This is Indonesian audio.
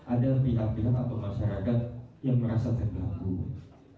ada pihak pihak atau masyarakat yang merasa terganggu